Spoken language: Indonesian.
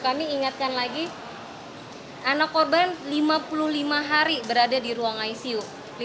kami ingatkan lagi anak korban lima puluh lima hari berada di ruang icu